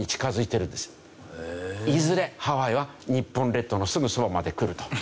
いずれハワイは日本列島のすぐそばまで来ると。